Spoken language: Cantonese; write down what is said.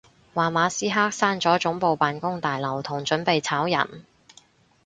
話馬斯克閂咗總部辦公大樓同準備炒人